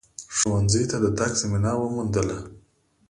ښونځیو ته د تگ زمینه وموندله